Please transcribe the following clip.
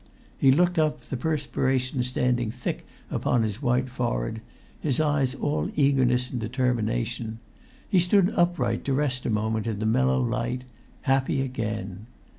He looked up, the perspiration standing thick upon his white fore[Pg 141]head, his eyes all eagerness and determination. He stood upright to rest a moment in the mellow light—happy again!